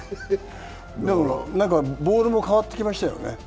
ボールも変わってきましたよね。